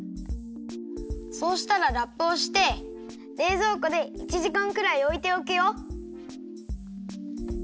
そうしたらラップをしてれいぞうこで１じかんくらいおいておくよ。